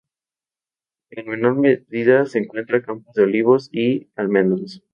En menor medida se encuentra campos de olivos y almendros.